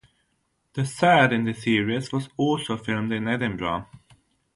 The third in the series was also filmed in Edinburgh.